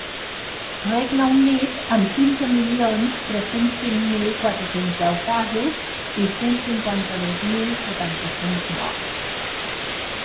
Regne Unit, amb quinze milions tres-cents cinc mil quatre-cents deu casos i cent cinquanta-dos mil setanta-cinc morts.